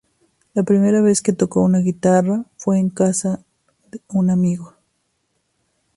La primera vez que tocó una guitarra, fue en casa un amigo.